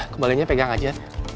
kembalinya pegang aja